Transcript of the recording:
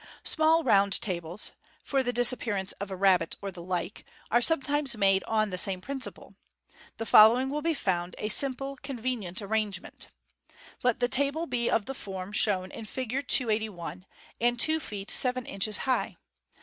Small round tables (for the disappearance of a rabbit, or the like) are sometimes made on the same principle. The following will be found a simple and convenient arrangement :— Let the table be of the form shown in Fig. 281, and two feet seven inches high.